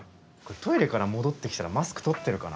トイレから戻ってきたらマスク取ってるかな？